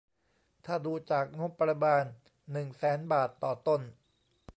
ถ้าดูจากงบประมาณ หนึ่ง แสนบาทต่อต้น